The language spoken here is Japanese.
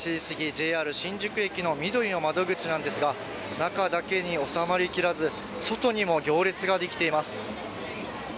ＪＲ新宿駅のみどりの窓口なんですが中だけに収まりきらず外にも行列ができています。